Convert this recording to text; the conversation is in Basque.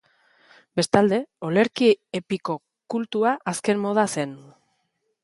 Bestalde, olerki epiko kultua azken moda zen.